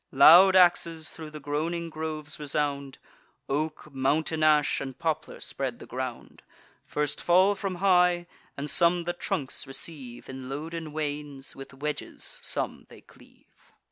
Loud axes thro' the groaning groves resound; Oak, mountain ash, and poplar spread the ground; First fall from high; and some the trunks receive In loaden wains; with wedges some they cleave.